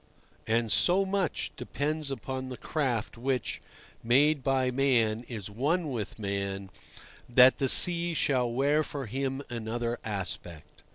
And so much depends upon the craft which, made by man, is one with man, that the sea shall wear for him another aspect.